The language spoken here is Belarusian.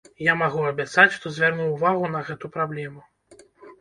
Я магу абяцаць, што звярну ўвагу на гэту праблему.